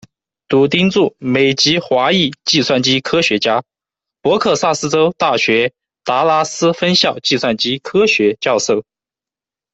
堵丁柱，美籍华裔计算机科学家，德克萨斯州大学达拉斯分校计算机科学教授。